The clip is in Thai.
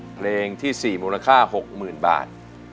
เพลงที่สี่มูลค่าหกหมื่นบาท